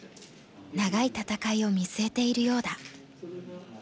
長い戦いを見据えているようだ。